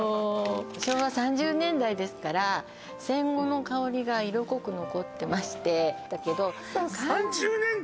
昭和３０年代ですから戦後の香りが色濃く残ってまして原さん３０年代！？